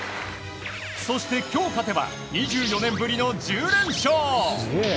そして今日勝てば２４年ぶりの１０連勝。